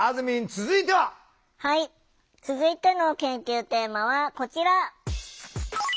続いての研究テーマはこちら！